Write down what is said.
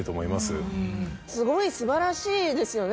すごい素晴らしいですよね